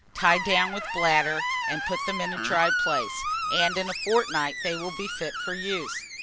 Tie down with bladder, and put them in a dry place, and in a fortnight they will be fit for use.